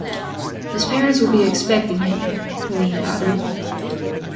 "His parents will be expecting him," Helene added.